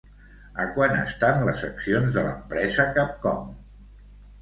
A quant estan les accions de l'empresa Capcom?